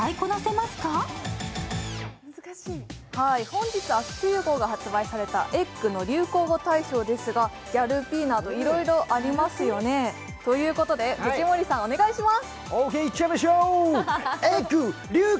本日発売された「ｅｇｇ」の流行語大賞ですがいろいろありますよね。ということで藤森さんお願いします。